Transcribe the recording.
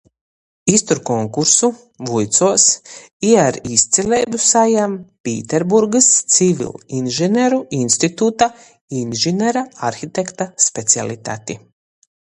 Iztur konkursu, vuicuos i ar izcileibu sajam Pīterburgys Civilinžineru instituta inžinera-arhitekta specialitati.